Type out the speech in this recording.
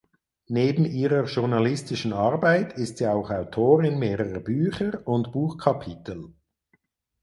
Neben ihrer journalistischen Arbeit ist sie auch Autorin mehrerer Bücher und Buchkapitel.